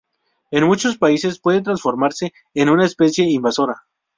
En muchos países puede transformarse en una especie invasora.